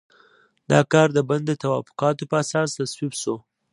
دا کار د بن د توافقاتو په اساس تصویب شو.